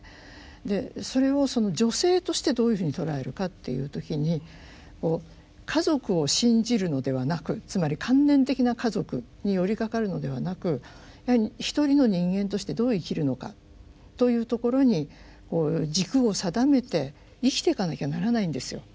でそれを女性としてどういうふうに捉えるかっていう時に家族を信じるのではなくつまり観念的な家族に寄りかかるのではなくやはり一人の人間としてどう生きるのかというところにこう軸を定めて生きていかなきゃならないんですよ。